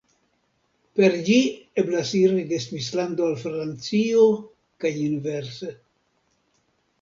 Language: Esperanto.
Per ĝi eblas iri de Svislando al Francio kaj inverse.